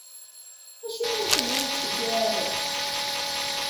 Acimi i nḥemmel ad nettceggiɛ arrac?